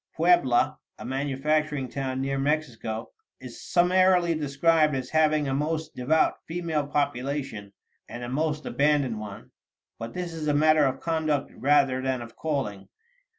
Puebla, a manufacturing town near Mexico, is summarily described as having a most devout female population, and a most abandoned one; but this is matter of conduct rather than of calling.